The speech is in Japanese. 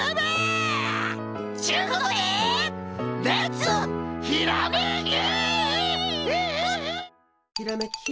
ちゅことでレッツひらめき！